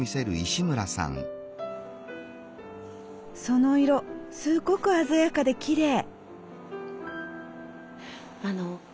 その色すごく鮮やかできれい。